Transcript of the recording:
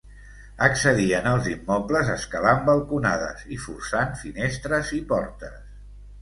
Accedien els immobles escalant balconades i forçant finestres i portes.